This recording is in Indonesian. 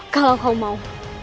kalau kau mau